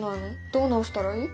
どう直したらいい？